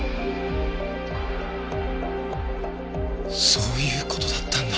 そういう事だったんだ。